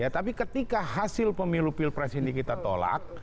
tapi ketika hasil pemilu pilpres ini kita tolak